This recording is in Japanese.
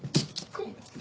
ごめんね。